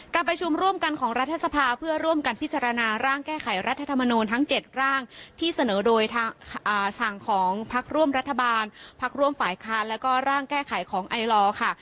การประชุมร่วมกันของรัฐสภาเพื่อร่วมกันพิจารณาร่างแก้ไขรัฐธรรมนูลทั้ง๗ร่างที่เสนอโดยทางฝั่งของพักร่วมรัฐบาลพักร่วมฝ่ายค้านแล้วก็ร่างแก้ไขของไอลอร์ค่ะ